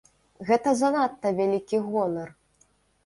Гэта занадта вялікі гонар!